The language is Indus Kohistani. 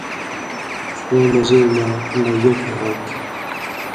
ݜېں مزیوں مہ، لژٹیۡ ہوتھی،